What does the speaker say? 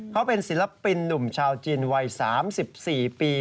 เขาเป็นศิลปินหนุ่มชาวจีนวัย๓๔ปี